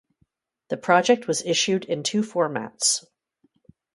The project was issued in two formats.